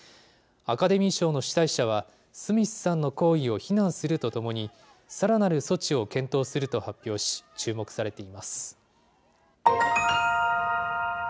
アカデミー賞の主催者は、スミスさんの行為を非難するとともに、さらなる措置を検討すると発表し、注目されています。